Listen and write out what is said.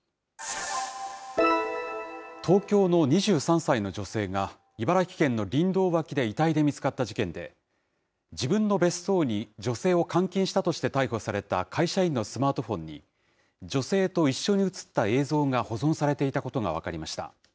東京の２３歳の女性が、茨城県の林道脇で遺体で見つかった事件で、自分の別荘に女性を監禁したとして逮捕された、会社員のスマートフォンに、女性と一緒に写った映像が保存されていたことが分かりました。